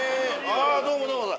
ああどうもどうも。